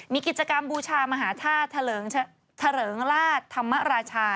มีกิจกรรมบูชามหาธาตุเถลิงราชธรรมราชา